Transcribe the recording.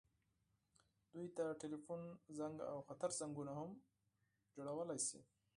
دوی د ټیلیفون زنګ او خطر زنګونه هم تولیدولی شي.